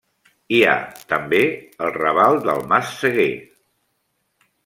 Hi ha, també, el raval del Mas Seguer.